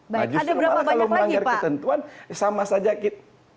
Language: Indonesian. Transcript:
nah justru malah kalau melanggar ketentuan sama saja kita